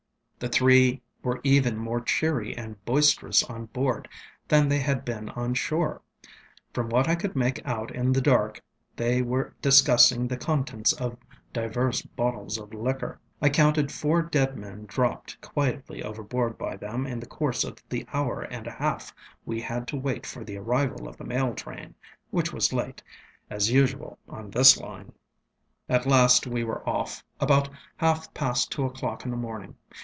The three were even more cheery and boisterous on board than they had been on shore. From what I could make out in the dark, they were discussing the contents of divers bottles of liquor; I counted four dead men dropped quietly overboard by them in the course of the hour and a half we had to wait for the arrival of the mail train, which was late, as usual on this line. At last we were off, about half past two oŌĆÖclock in the morning.